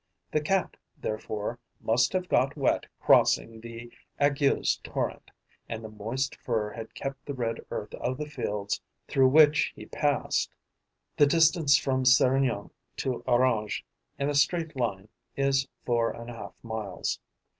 The Cat, therefore, must have got wet crossing the Aygues torrent; and the moist fur had kept the red earth of the fields through which he passed. The distance from Serignan to Orange, in a straight line, is four and a half miles.